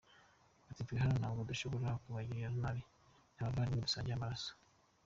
Ati “twe hano ntabwo dushobora kubagirira nabi ni abavandimwe dusangiye amaraso.